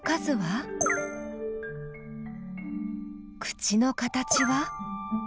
口の形は？